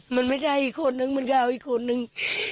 มันไม่ใช่อีกคนนึงมันก็เอาอีกคนนึง